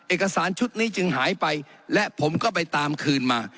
เอกสารชุดนี้จึงหายไปและผมก็ไปตามคืนมา